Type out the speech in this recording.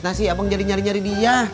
nah sih abang jadi nyari nyari dia